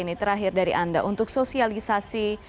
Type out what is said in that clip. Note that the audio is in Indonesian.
ini terakhir dari anda untuk sosialisasi